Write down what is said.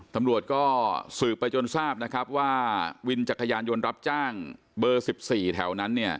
ตำรวจก็สืบไปจนทราบนะครับว่าวินจักรยานยนต์รับจ้างเบอร์๑๔แถวนั้นเนี่ย